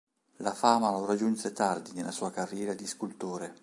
La fama lo raggiunse tardi nella sua carriera di scultore.